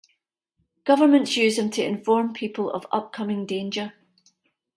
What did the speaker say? Governments use them to inform people of upcoming danger.